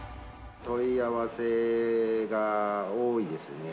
問い合わせが多いですね。